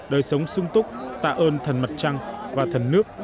đời sống sung túc tạ ơn thần mặt trăng và thần nước